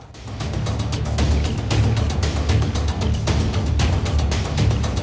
โปรดติดตามตอนต่อไป